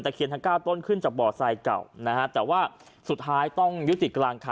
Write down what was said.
เคียนทั้ง๙ต้นขึ้นจากบ่อทรายเก่านะฮะแต่ว่าสุดท้ายต้องยุติกลางคัน